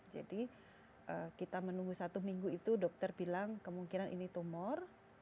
jadi kita menunggu satu minggu itu dokter bilang kemungkinan ini tumor